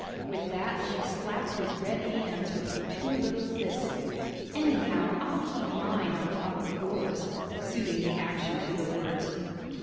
With that she slapped his red hands with her two little fists. "Anyhow, I'll keep mine on top of yours," suiting the action to the words.